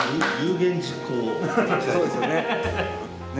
そうですよね。